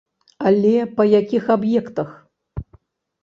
Але па якіх аб'ектах?